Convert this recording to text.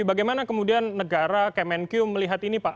bagaimana kemudian negara kemenkyu melihat ini pak